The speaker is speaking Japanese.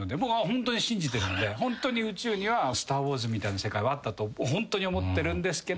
ホントに信じてるのでホントに宇宙には『スター・ウォーズ』みたいな世界はあったとホントに思ってるんですけど